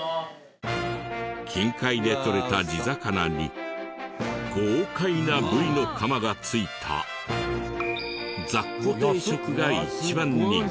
近海でとれた地魚に豪快なブリのカマが付いたざっこ定食が一番人気。